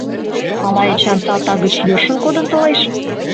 Ала Эчан салтак гыч йӧршын кодын толеш?